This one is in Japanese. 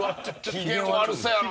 機嫌悪そうやな。